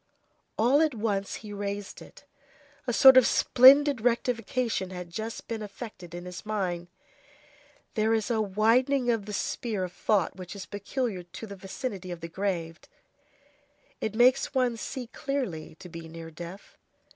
All at once he raised it. A sort of splendid rectification had just been effected in his mind. There is a widening of the sphere of thought which is peculiar to the vicinity of the grave; it makes one see clearly to be near death.